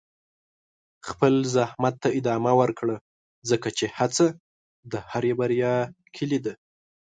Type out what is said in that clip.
خپل زحمت ته ادامه ورکړه، ځکه چې هڅه د هرې بریا کلي ده.